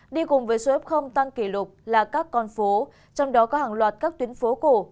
đi cùng với số f tăng kỷ lục là các con phố trong đó có hàng loạt các tuyến phố cổ